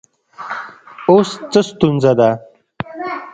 اوس څه ستونزه ده